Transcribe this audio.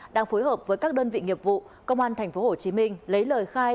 đang phối hợp với các đơn vị nghiệp vụ công an tp hcm lấy lời khai